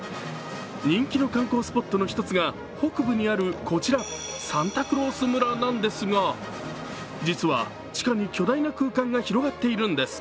人気の観光スポットの一つが北部にあるこちら、サンタクロース村なんですが、実は地下に巨大な空間が広がっているんです。